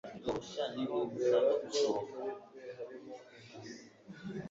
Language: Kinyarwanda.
Yizera ko muri twe harimo intasi